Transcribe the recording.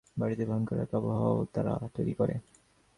বাড়িতে ভয়ংকর এক আবহাওয়াও তারা তৈরি করে।